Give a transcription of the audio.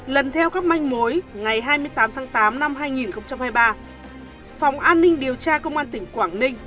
lần theo các manh mối ngày hai mươi tám tháng tám năm hai nghìn hai mươi ba phòng an ninh điều tra công an tỉnh quảng ninh